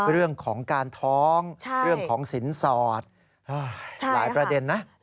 เรื่องของการท้องเรื่องของสินสอดหลายประเด็นนะ